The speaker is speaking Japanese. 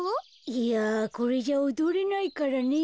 いやこれじゃおどれないからね。